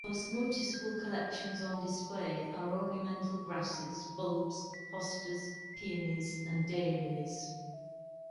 The most notable collections on display are ornamental grasses, bulbs, hostas, peonies and daylilies.